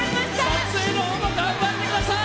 撮影も頑張ってください！